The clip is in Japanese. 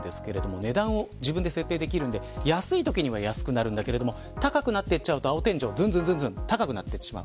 値段を自分で設定できるので安いときには安くなるけれど深くなっていっちゃうと青天井、どんどん高くなっていってしまう。